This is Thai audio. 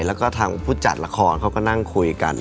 แล้วก็ทางผู้จัดละครเขาก็นั่งคุยกัน